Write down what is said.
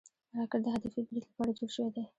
راکټ د هدفي برید لپاره جوړ شوی دی